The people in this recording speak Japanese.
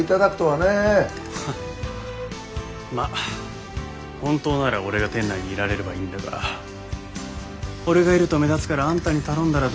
フッまっ本当なら俺が店内にいられればいいんだが俺がいると目立つからあんたに頼んだらどうかと提案したまでだ。